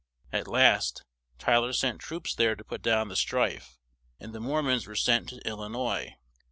At last, Ty ler sent troops there to put down the strife, and the Mor mons were sent to Il li nois.